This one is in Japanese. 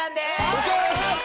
よろしくお願いします！